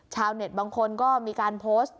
เน็ตบางคนก็มีการโพสต์